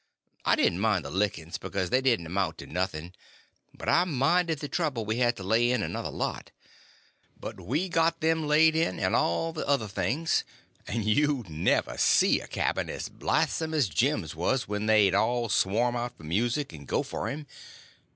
I didn't mind the lickings, because they didn't amount to nothing; but I minded the trouble we had to lay in another lot. But we got them laid in, and all the other things; and you never see a cabin as blithesome as Jim's was when they'd all swarm out for music and go for him.